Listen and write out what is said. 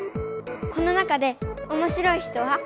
この中でおもしろい人は？